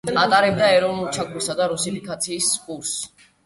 ატარებდა ეროვნული ჩაგვრისა და რუსიფიკაციის კურსს.